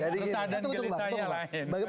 resah dan gelisahnya lain